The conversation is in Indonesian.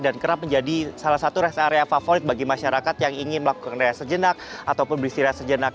dan kerap menjadi salah satu rest area favorit bagi masyarakat yang ingin melakukan rest sejenak ataupun beristirahat sejenak